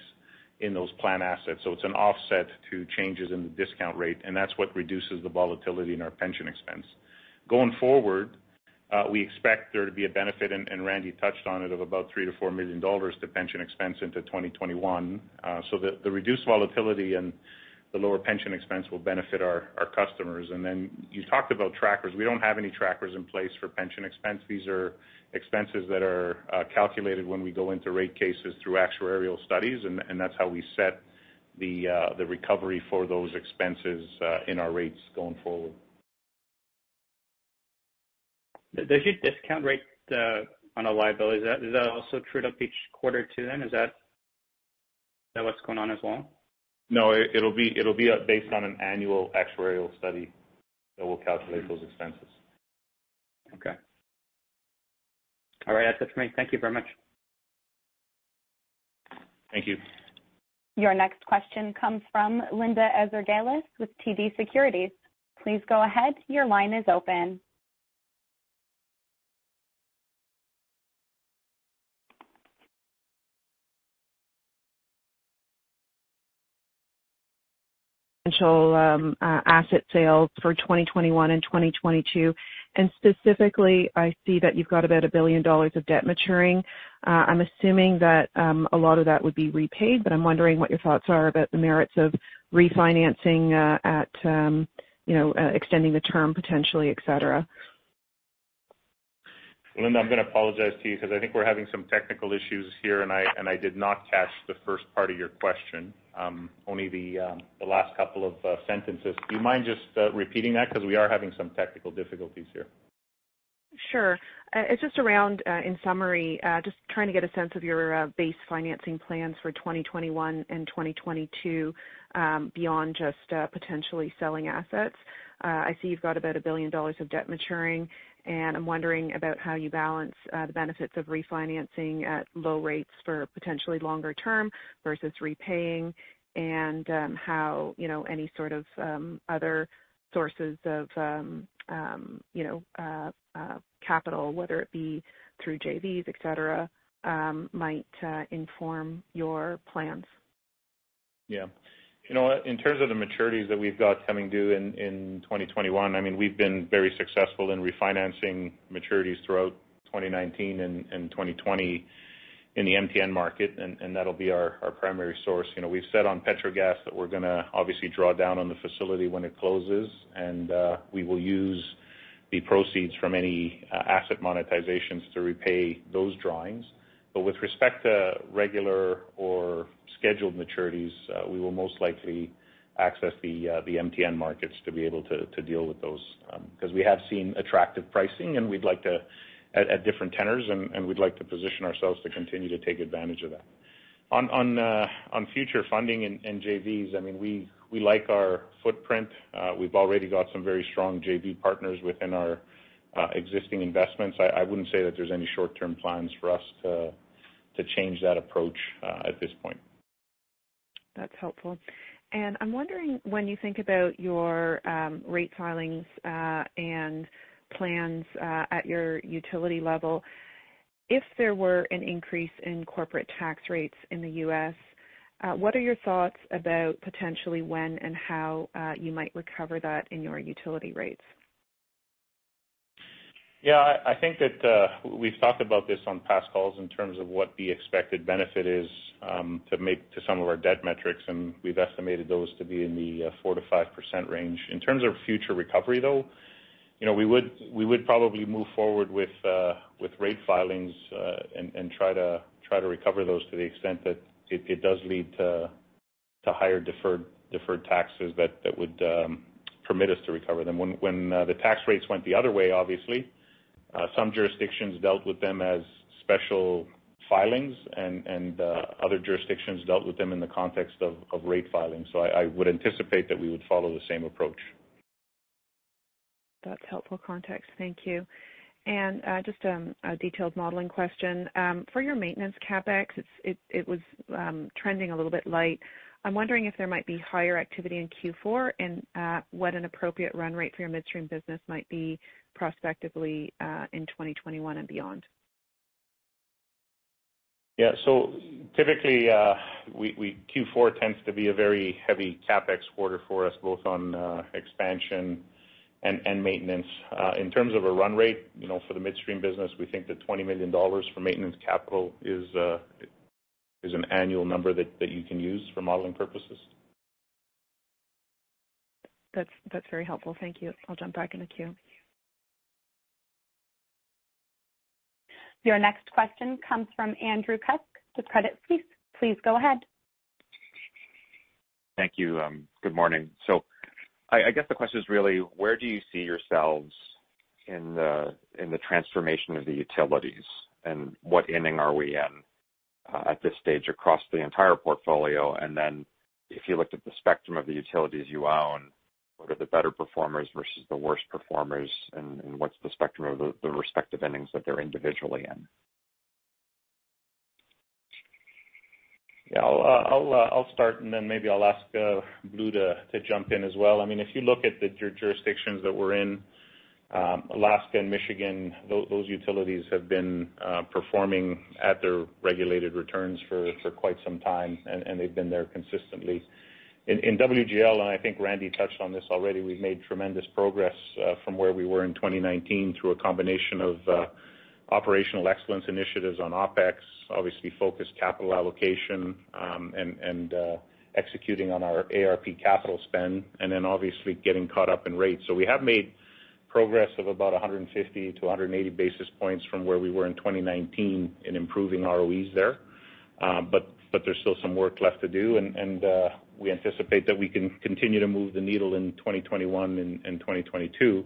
in those plan assets. It's an offset to changes in the discount rate, and that's what reduces the volatility in our pension expense. Going forward, we expect there to be a benefit, and Randy touched on it, of about 3 million-4 million dollars to pension expense into 2021. The reduced volatility and the lower pension expense will benefit our customers. You talked about trackers. We don't have any trackers in place for pension expense. These are expenses that are calculated when we go into rate cases through actuarial studies. That's how we set the recovery for those expenses in our rates going forward. Does your discount rate on a liability, is that also trued up each quarter too, then? Is that what's going on as well? No, it'll be based on an annual actuarial study that will calculate those expenses. Okay. All right. That's it for me. Thank you very much. Thank you. Your next question comes from Linda Ezergailis with TD Securities. Please go ahead. Your line is open. Potential asset sales for 2021 and 2022, and specifically, I see that you've got about 1 billion dollars of debt maturing. I'm assuming that a lot of that would be repaid, but I'm wondering what your thoughts are about the merits of refinancing at extending the term potentially, et cetera. Linda, I'm going to apologize to you because I think we're having some technical issues here, and I did not catch the first part of your question. Only the last couple of sentences. Do you mind just repeating that? We are having some technical difficulties here. Sure. It's just around, in summary, just trying to get a sense of your base financing plans for 2021 and 2022, beyond just potentially selling assets. I see you've got about 1 billion dollars of debt maturing. I'm wondering about how you balance the benefits of refinancing at low rates for potentially longer term versus repaying and how any sort of other sources of capital, whether it be through JVs, et cetera, might inform your plans. In terms of the maturities that we've got coming due in 2021, we've been very successful in refinancing maturities throughout 2019 and 2020 in the MTN market, and that'll be our primary source. We've said on Petrogas that we're going to obviously draw down on the facility when it closes, and we will use the proceeds from any asset monetizations to repay those drawings. With respect to regular or scheduled maturities, we will most likely access the MTN markets to be able to deal with those. We have seen attractive pricing at different tenors, and we'd like to position ourselves to continue to take advantage of that. On future funding and JVs, we like our footprint. We've already got some very strong JV partners within our existing investments. I wouldn't say that there's any short-term plans for us to change that approach at this point. That's helpful. I'm wondering, when you think about your rate filings and plans at your utility level, if there were an increase in corporate tax rates in the U.S., what are your thoughts about potentially when and how you might recover that in your utility rates? Yeah. I think that we've talked about this on past calls in terms of what the expected benefit is to make to some of our debt metrics, and we've estimated those to be in the 4%-5% range. In terms of future recovery, though, we would probably move forward with rate filings and try to recover those to the extent that it does lead to higher deferred taxes that would permit us to recover them. When the tax rates went the other way, obviously, some jurisdictions dealt with them as special filings and other jurisdictions dealt with them in the context of rate filings. I would anticipate that we would follow the same approach. That's helpful context. Thank you. Just a detailed modeling question. For your maintenance CapEx, it was trending a little bit light. I'm wondering if there might be higher activity in Q4 and what an appropriate run-rate for your Midstream business might be prospectively in 2021 and beyond. Yeah. Typically, Q4 tends to be a very heavy CapEx quarter for us, both on expansion and maintenance. In terms of a run-rate, for the Midstream business, we think that 20 million dollars for maintenance capital is an annual number that you can use for modeling purposes. That's very helpful. Thank you. I'll jump back in the queue. Your next question comes from Andrew Kuske with Credit Suisse. Please go ahead. Thank you. Good morning. I guess the question is really, where do you see yourselves in the transformation of the utilities and what inning are we in at this stage across the entire portfolio? If you looked at the spectrum of the utilities you own, what are the better performers versus the worst performers, and what's the spectrum of the respective innings that they're individually in? Yeah, I'll start. Maybe I'll ask Blue to jump in as well. If you look at the jurisdictions that we're in, Alaska and Michigan, those utilities have been performing at their regulated returns for quite some time, and they've been there consistently. In WGL, I think Randy touched on this already, we've made tremendous progress from where we were in 2019 through a combination of operational excellence initiatives on OpEx, obviously focused capital allocation, executing on our ARP capital spend, obviously getting caught up in rates. We have made progress of about 150-180 basis points from where we were in 2019 in improving ROEs there. There's still some work left to do, and we anticipate that we can continue to move the needle in 2021 and 2022.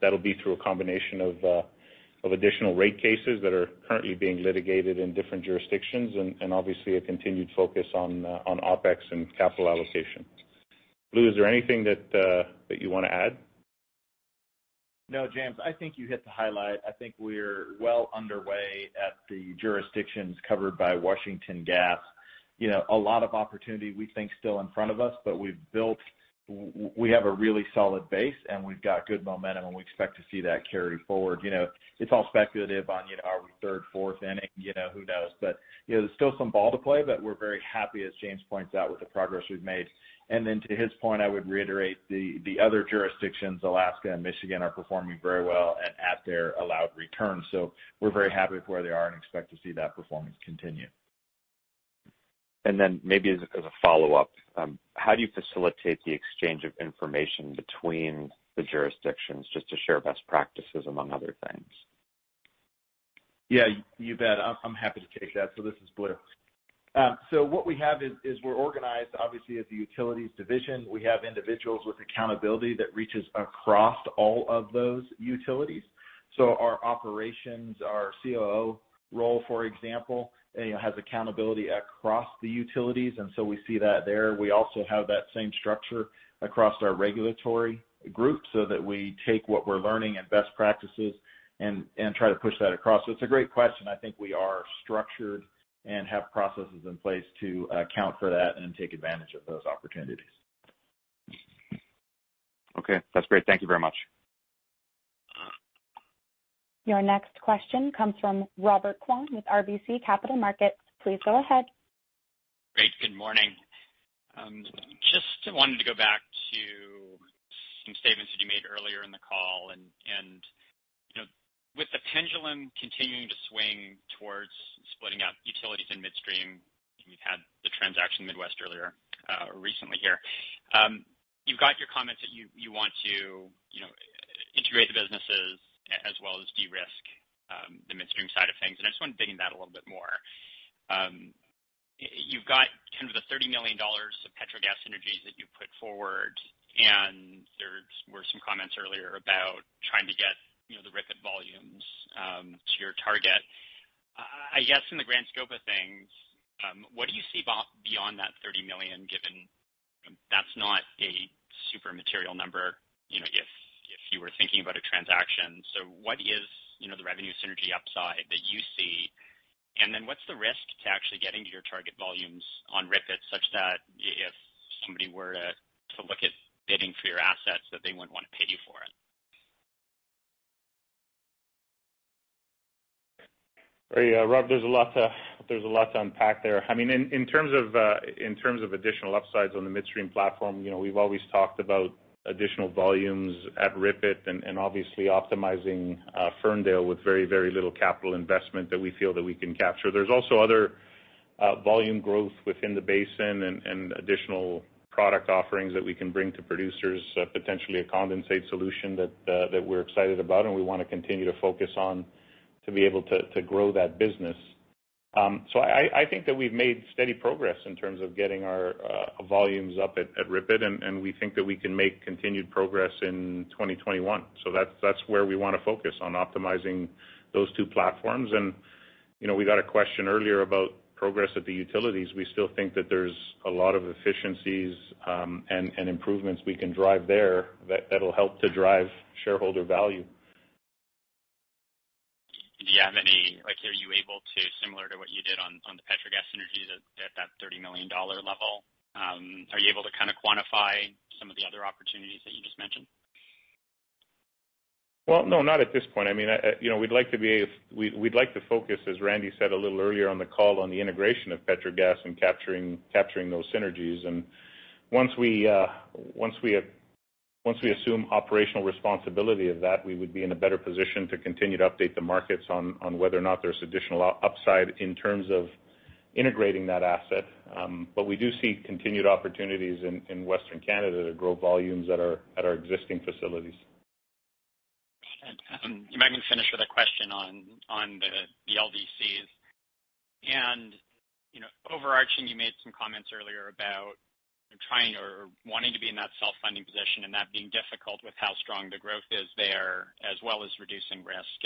That'll be through a combination of additional rate cases that are currently being litigated in different jurisdictions and obviously a continued focus on OpEx and capital allocation. Blue, is there anything that you want to add? No, James, I think you hit the highlight. I think we're well underway at the jurisdictions covered by Washington Gas. A lot of opportunity we think still in front of us, but we have a really solid base and we've got good momentum, and we expect to see that carry forward. It's all speculative on, are we third, fourth inning? Who knows? There's still some ball to play, but we're very happy, as James points out, with the progress we've made. To his point, I would reiterate the other jurisdictions, Alaska and Michigan, are performing very well and at their allowed returns. We're very happy with where they are and expect to see that performance continue. Maybe as a follow-up, how do you facilitate the exchange of information between the jurisdictions just to share best practices, among other things? Yeah, you bet. I'm happy to take that. This is Blue. What we have is we're organized, obviously, as a utilities division. We have individuals with accountability that reaches across all of those utilities. Our operations, our COO role, for example, has accountability across the utilities, we see that there. We also have that same structure across our regulatory group, we take what we're learning and best practices and try to push that across. It's a great question. I think we are structured and have processes in place to account for that and take advantage of those opportunities. Okay, that's great. Thank you very much. Your next question comes from Robert Kwan with RBC Capital Markets. Please go ahead. Great. Good morning. Just wanted to go back to some statements that you made earlier in the call and, with the pendulum continuing to swing towards splitting up utilities and midstream, and we've had the transaction Midwest earlier, recently here. You've got your comments that you want to integrate the businesses as well as de-risk the midstream side of things, and I just want to dig into that a little bit more. You've got kind of the 30 million dollars of Petrogas synergies that you put forward, and there were some comments earlier about trying to get the RIPET volumes, to your target. I guess in the grand scope of things, what do you see beyond that 30 million, given that's not a super material number if you were thinking about a transaction. What is the revenue synergy upside that you see? What's the risk to actually getting to your target volumes on RIPET such that if somebody were to look at bidding for your assets, that they wouldn't want to pay you for it? Rob, there's a lot to unpack there. In terms of additional upsides on the midstream platform, we've always talked about additional volumes at RIPET and obviously optimizing Ferndale with very little capital investment that we feel that we can capture. There's also other volume growth within the basin and additional product offerings that we can bring to producers, potentially a condensate solution that we're excited about and we want to continue to focus on to be able to grow that business. I think that we've made steady progress in terms of getting our volumes up at RIPET, and we think that we can make continued progress in 2021. That's where we want to focus on optimizing those two platforms. We got a question earlier about progress at the utilities. We still think that there's a lot of efficiencies and improvements we can drive there that'll help to drive shareholder value. Are you able to, similar to what you did on the Petrogas synergies at that 30 million dollar level, are you able to quantify some of the other opportunities that you just mentioned? No, not at this point. We'd like to focus, as Randy said a little earlier on the call, on the integration of Petrogas and capturing those synergies. Once we assume operational responsibility of that, we would be in a better position to continue to update the markets on whether or not there's additional upside in terms of integrating that asset. We do see continued opportunities in Western Canada to grow volumes at our existing facilities. You might even finish with a question on the LDCs. Overarching, you made some comments earlier about trying or wanting to be in that self-funding position and that being difficult with how strong the growth is there, as well as reducing risk.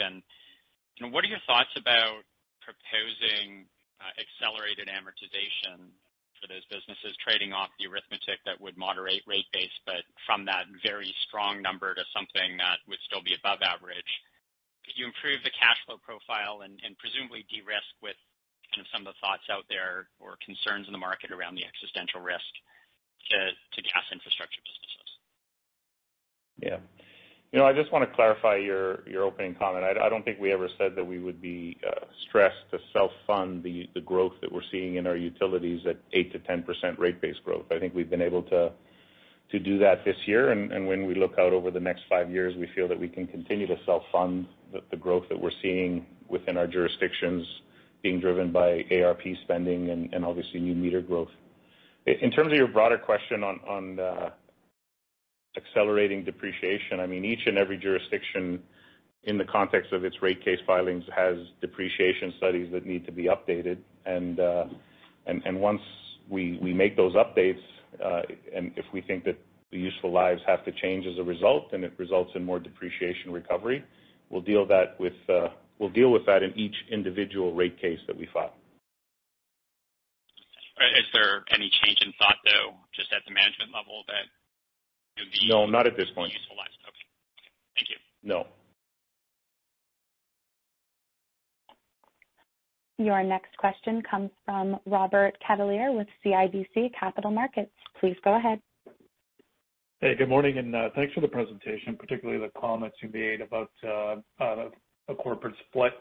What are your thoughts about proposing accelerated amortization for those businesses, trading off the arithmetic that would moderate rate base, but from that very strong number to something that would still be above average? Could you improve the cash flow profile and presumably de-risk with some of the thoughts out there or concerns in the market around the existential risk to gas infrastructure businesses? Yeah. I just want to clarify your opening comment. I don't think we ever said that we would be stressed to self-fund the growth that we're seeing in our utilities at 8%-10% rate base growth. I think we've been able to do that this year, when we look out over the next five years, we feel that we can continue to self-fund the growth that we're seeing within our jurisdictions being driven by ARP spending and obviously new meter growth. In terms of your broader question on accelerating depreciation, each and every jurisdiction in the context of its rate case filings has depreciation studies that need to be updated. Once we make those updates, and if we think that the useful lives have to change as a result and it results in more depreciation recovery, we will deal with that in each individual rate case that we file. Is there any change in thought, though, just at the management level? No, not at this point. Useful [lives.] Okay. Thank you. No. Your next question comes from Robert Catellier with CIBC Capital Markets. Please go ahead. Hey, good morning, and thanks for the presentation, particularly the comments you made about a corporate split.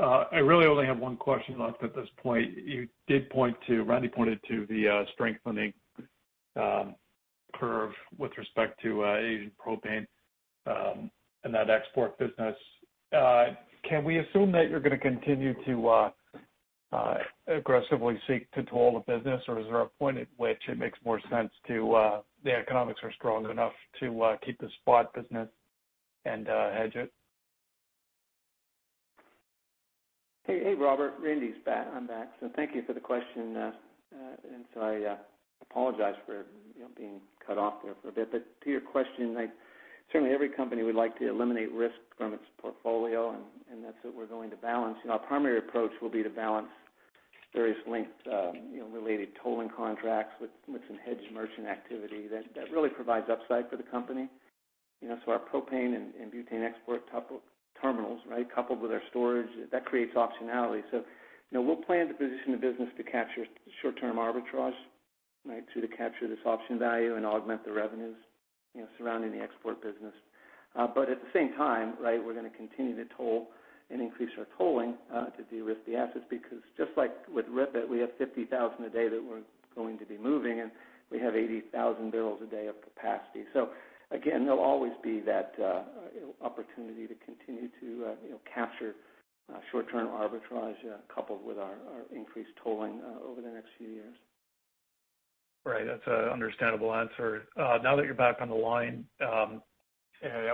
I really only have one question left at this point. Randy pointed to the strengthening curve with respect to Asian propane, and that export business. Can we assume that you're going to continue to aggressively seek to toll the business, or is there a point at which it makes more sense to, the economics are strong enough to keep the spot business and hedge it? Hey, Robert. Randy's back. I'm back. Thank you for the question. I apologize for being cut off there for a bit. To your question, certainly every company would like to eliminate risk from its portfolio, and that's what we're going to balance. Our primary approach will be to balance various length-related tolling contracts with some hedged merchant activity that really provides upside for the company. Our propane and butane export terminals, coupled with our storage, that creates optionality. We'll plan to position the business to capture short-term arbitrage, to capture this option value and augment the revenues surrounding the export business. At the same time, we're going to continue to toll and increase our tolling to derisk the assets, because just like with RIPET, we have 50,000 a day that we're going to be moving, and we have 80,000 bpd of capacity. Again, there'll always be that opportunity to continue to capture short-term arbitrage coupled with our increased tolling over the next few years. Right. That's an understandable answer. Now that you're back on the line, I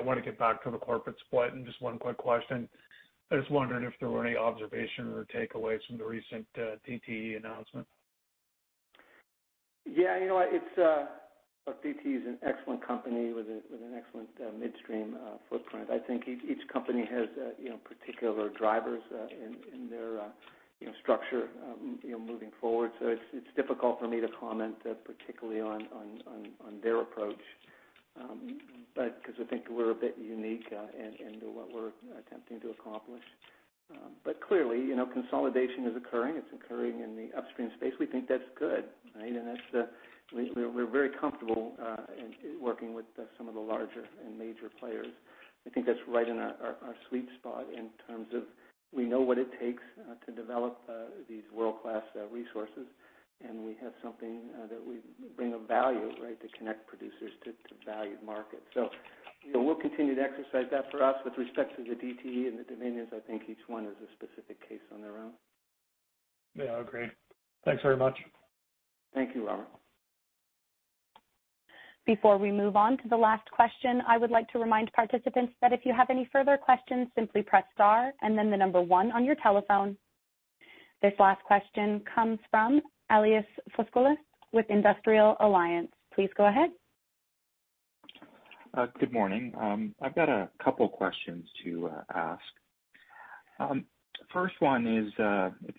want to get back to the corporate split and just one quick question. I was wondering if there were any observations or takeaways from the recent DTE announcement. Yeah. You know what? DTE is an excellent company with an excellent midstream footprint. I think each company has particular drivers in their structure moving forward. It's difficult for me to comment particularly on their approach, because I think we're a bit unique in what we're attempting to accomplish. Clearly, consolidation is occurring. It's occurring in the upstream space. We think that's good. We're very comfortable in working with some of the larger and major players. I think that's right in our sweet spot in terms of we know what it takes to develop these world-class resources, and we have something that we bring of value to connect producers to valued markets. We'll continue to exercise that for us. With respect to the DTE and the Dominions, I think each one is a specific case on their own. Yeah, I agree. Thanks very much. Thank you, Robert. Before we move on to the last question, I would like to remind participants that if you have any further questions, simply press star and then the number one on your telephone. This last question comes from Elias Foscolos with Industrial Alliance. Please go ahead. Good morning. I've got a couple questions to ask. First one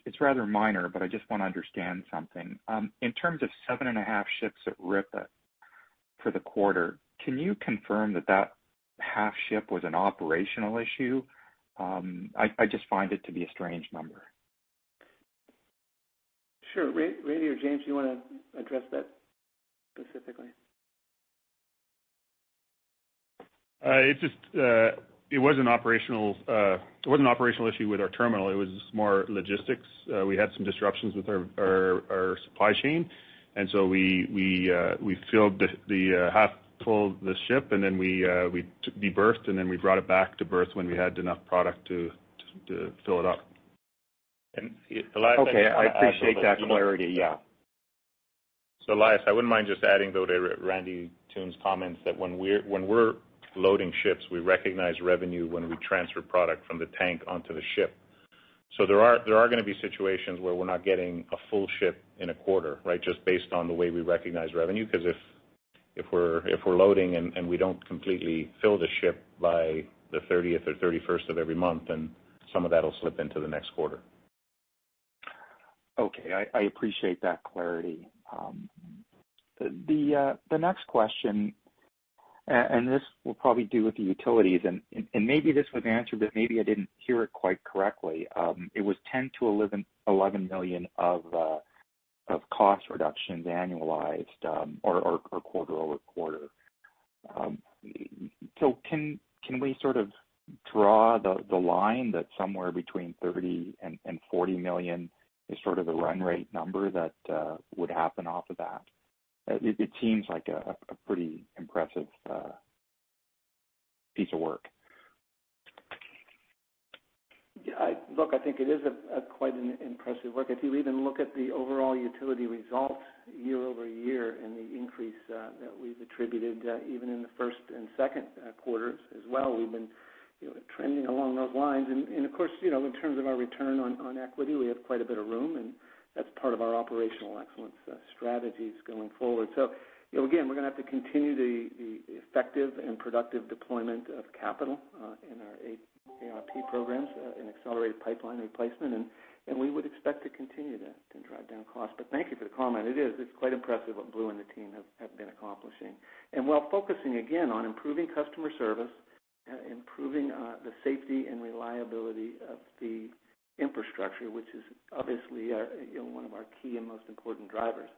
is rather minor, but I just want to understand something. In terms of seven and a half ships at RIPET for the quarter, can you confirm that that half ship was an operational issue? I just find it to be a strange number. Sure. Randy or James, do you want to address that specifically? It wasn't an operational issue with our terminal. It was more logistics. We had some disruptions with our supply chain. We half-filled the ship. We berthed. We brought it back to berth when we had enough product to fill it up. Okay. I appreciate that clarity. Yeah. Elias, I wouldn't mind just adding, though, to Randy Toone's comments that when we're loading ships, we recognize revenue when we transfer product from the tank onto the ship. There are going to be situations where we're not getting a full ship in a quarter, just based on the way we recognize revenue, because if we're loading and we don't completely fill the ship by the 30th or 31st of every month, then some of that'll slip into the next quarter. Okay. I appreciate that clarity. The next question, this will probably do with the utilities, and maybe this was answered, but maybe I didn't hear it quite correctly. It was 10 million-11 million of cost reductions annualized or quarter-over-quarter. Can we sort of draw the line that somewhere between 30 million and 40 million is sort of the run-rate number that would happen off of that? It seems like a pretty impressive piece of work. Look, I think it is quite an impressive work. If you even look at the overall utility results year-over-year and the increase that we've attributed even in the first and second quarters as well, we've been trending along those lines. Of course, in terms of our return on equity, we have quite a bit of room, and that's part of our operational excellence strategies going forward. Again, we're going to have to continue the effective and productive deployment of capital in our ARP programs and accelerated pipeline replacement, and we would expect to continue to drive down costs. Thank you for the comment. It is quite impressive what Blue and the team have been accomplishing. While focusing, again, on improving customer service, improving the safety and reliability of the infrastructure, which is obviously one of our key and most important drivers,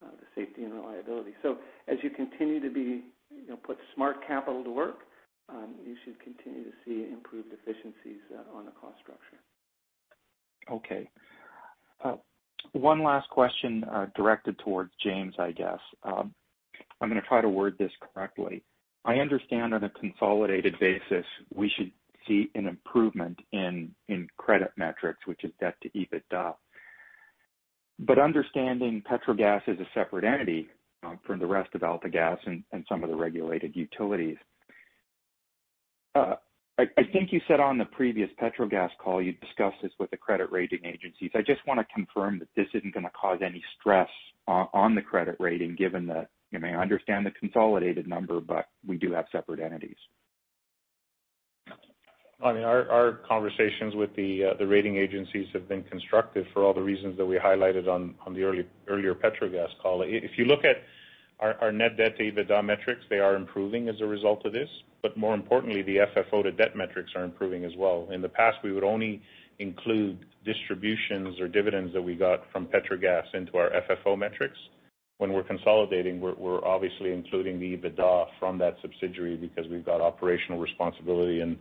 the safety and reliability. As you continue to put smart capital to work, you should continue to see improved efficiencies on the cost structure. Okay. One last question directed towards James, I guess. I'm going to try to word this correctly. I understand on a consolidated basis, we should see an improvement in credit metrics, which is debt to EBITDA. Understanding Petrogas is a separate entity from the rest of AltaGas and some of the regulated utilities. I think you said on the previous Petrogas call, you'd discussed this with the credit rating agencies. I just want to confirm that this isn't going to cause any stress on the credit rating, given that you may understand the consolidated number, but we do have separate entities. Our conversations with the rating agencies have been constructive for all the reasons that we highlighted on the earlier Petrogas call. If you look at our net debt-to-EBITDA metrics, they are improving as a result of this. More importantly, the FFO-to-debt metrics are improving as well. In the past, we would only include distributions or dividends that we got from Petrogas into our FFO metrics. When we're consolidating, we're obviously including the EBITDA from that subsidiary because we've got operational responsibility, and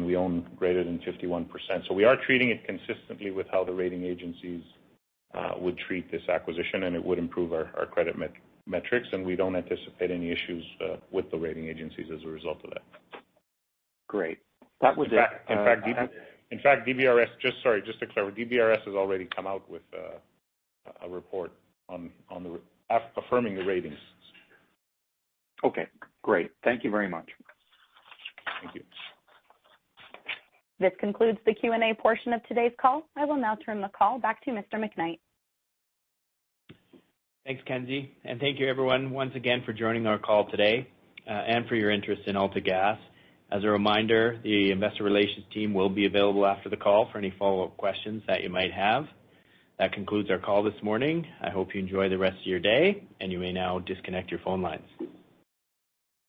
we own greater than 51%. We are treating it consistently with how the rating agencies would treat this acquisition, and it would improve our credit metrics, and we don't anticipate any issues with the rating agencies as a result of that. Great. That was it. In fact, DBRS, sorry, just to be clear, DBRS has already come out with a report affirming the ratings. Okay, great. Thank you very much. Thank you. This concludes the Q&A portion of today's call. I will now turn the call back to Mr. McKnight. Thanks, Kenzie. Thank you everyone, once again, for joining our call today, and for your interest in AltaGas. As a reminder, the investor relations team will be available after the call for any follow-up questions that you might have. That concludes our call this morning. I hope you enjoy the rest of your day, and you may now disconnect your phone lines.